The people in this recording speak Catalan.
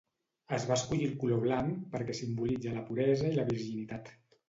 Es va escollir el color blanc perquè simbolitza la puresa i la virginitat.